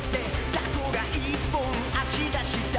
「タコが１本足出した」